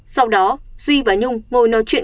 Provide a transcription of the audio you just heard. sau đó duy và nhung ngồi nói chuyện